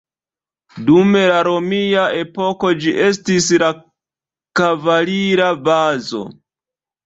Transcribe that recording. Dum la romia epoko, ĝi estis kavalira bazo.